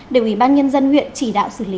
để ủy ban nhân dân huyện chỉ đạo xử lý